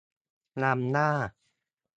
นำหน้า